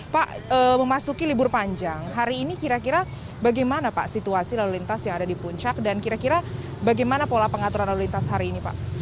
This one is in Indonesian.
pak memasuki libur panjang hari ini kira kira bagaimana pak situasi lalu lintas yang ada di puncak dan kira kira bagaimana pola pengaturan lalu lintas hari ini pak